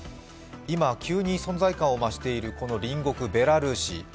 今、急に存在感を増しているこの隣国ベラルーシ。